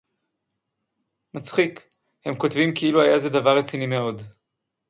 מצחיק, הם כותבים כאילו היה זה דבר רציני מאוד.